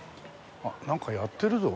あっなんかやってるぞ。